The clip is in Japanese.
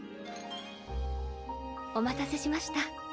お待たせしました。